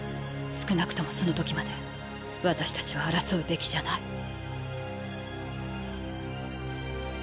少なくともその時まで私たちは争うべきじゃない。